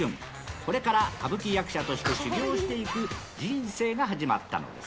これから歌舞伎役者として、修業していく人生が始まったんです。